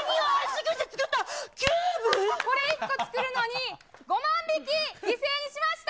これ１個作るのに、５万匹犠牲にしました。